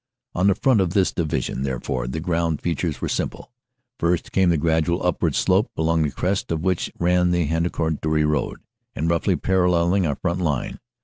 "On the front of this division, therefore, the ground feat ures were simple. First came the gradual upward slope along the crest of which ran the Hendecourt Dury road, and roughly paralleling our front line.